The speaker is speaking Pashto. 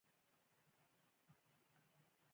دوستي د وخت له تېرېدو سره لا پیاوړې کېږي.